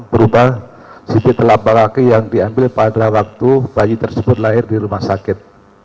berupa sidik telapak laki yang diambil pada waktu bayi tersebut lahir di rumah sakit